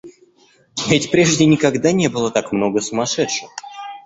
— Ведь прежде никогда не было так много сумасшедших!